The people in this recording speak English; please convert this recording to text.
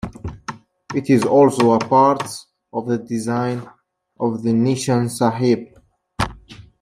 It is also part of the design of the "Nishan Sahib".